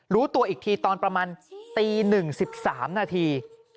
รู้ตัวอีกทีตอนประมาณตี๑๑๓นาที